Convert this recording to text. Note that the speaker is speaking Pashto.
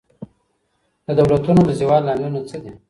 د دولتونو د زوال لاملونه څه دي؟